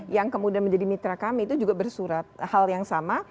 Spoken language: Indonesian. yang kemudian menjadi mitra kami itu juga bersurat hal yang sama